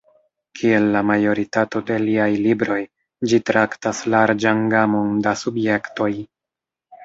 Kiel la majoritato de liaj libroj, ĝi traktas larĝan gamon da subjektoj.